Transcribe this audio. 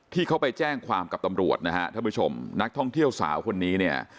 ที่เขาไปแจ้งความกับตำรวจนะฮะท่านผู้ชมนักท่องเที่ยวสาวคนนี้เนี่ย